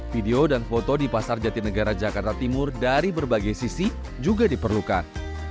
video dan foto di pasar jatinegara jakarta timur dari berbagai sisi juga diperlukan